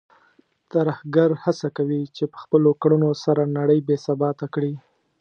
ترهګر هڅه کوي چې په خپلو کړنو سره نړۍ بې ثباته کړي.